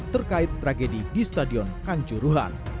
terkait tragedi di stadion kanjuruhan